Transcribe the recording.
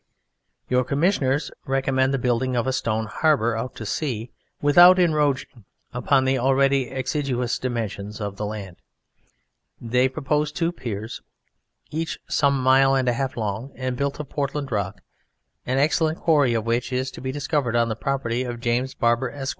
Your Commissioners recommend the building of a stone harbour out to sea without encroaching on the already exiguous dimensions of the land. They propose two piers, each some mile and a half long, and built of Portland rock, an excellent quarry of which is to be discovered on the property of James Barber, Esq.